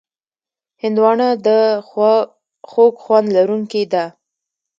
هندوانه د خوږ خوند لرونکې ده.